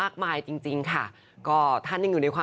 ผมก็บอกว่า